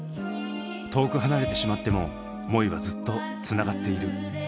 遠く離れてしまっても思いはずっとつながっている。